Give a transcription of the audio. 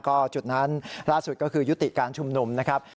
ก็จุดนั้นล่าสุดก็คือยุติการชุมนุมนะครับ